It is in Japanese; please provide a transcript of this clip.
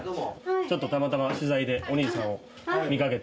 ちょっとたまたま取材でお兄さんを見かけて。